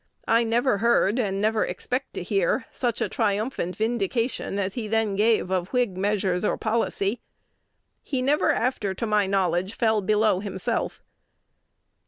I never heard, and never expect to hear, such a triumphant vindication as he then gave of Whig measures or policy. He never after, to my knowledge, fell below himself."